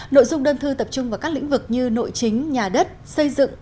nội dung đơn thư tập trung vào các lĩnh vực như nội chính nhà đất xây dựng